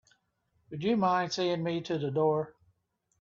Would you mind seeing me to the door?